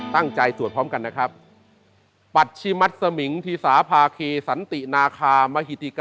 ตั้งใจตรวจพร้อมกันนะครับ